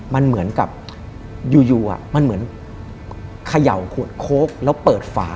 มันเหมือนกับอยู่มันเหมือนเขย่าขวดโค้กแล้วเปิดฝา